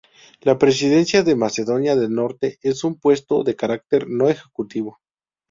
La presidencia de Macedonia del Norte es un puesto de carácter no ejecutivo.